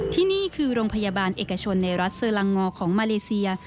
ที่นี่คือโรงพยาบาลเอกชนในรัฐเซอร์ลังงอของมาเลเซีย